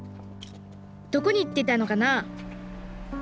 どこに行ってたのかなあ？